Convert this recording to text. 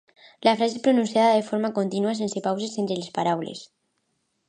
La frase és pronunciada de forma contínua, sense pauses entre les paraules.